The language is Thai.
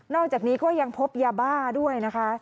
อกจากนี้ก็ยังพบยาบ้าด้วยนะคะ